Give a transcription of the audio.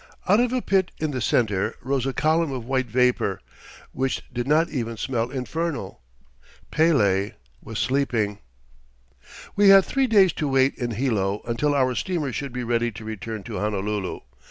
Out of a pit in the center rose a column of white vapour which did not even smell infernal. Pele was sleeping. We had three days to wait in Hilo until our steamer should be ready to return to Honolulu.